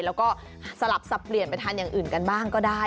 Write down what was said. แล้วก็สลับสับเปลี่ยนไปทานอย่างอื่นกันบ้างก็ได้